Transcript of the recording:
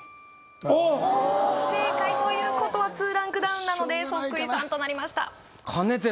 おおー不正解ということは２ランクダウンなのでそっくりさんとなりました